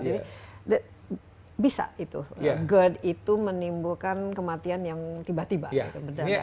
jadi bisa itu gerd itu menimbulkan kematian yang tiba tiba